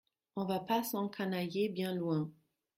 On va pas s’encanailler bien loin.